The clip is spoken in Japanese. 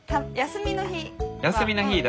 休みの日は。